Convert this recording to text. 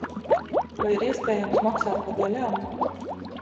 Vai ir iespējams maksāt pa daļām?